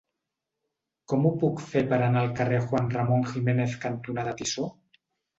Com ho puc fer per anar al carrer Juan Ramón Jiménez cantonada Tissó?